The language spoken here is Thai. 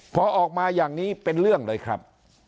พอออกมาอย่างนี้เป็นเรื่องเลยครับ